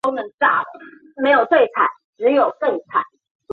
查理布朗让飞机飞出了窗外。